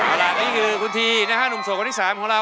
เอาล่ะนี่คือคุณธีนห้านุมสวทร์คนที่๓ของเรา